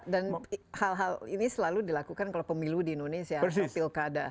dan hal hal ini selalu dilakukan kalau pemilu di indonesia